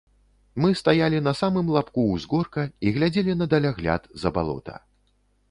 Мы стаялі на самым лабку ўзгорка і глядзелі на далягляд за балота.